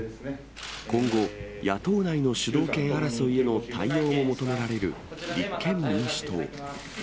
今後、野党内の主導権争いへの対応も求められる立憲民主党。